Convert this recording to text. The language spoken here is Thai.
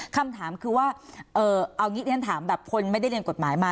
คำถามคือว่าเอางี้ที่ฉันถามแบบคนไม่ได้เรียนกฎหมายมา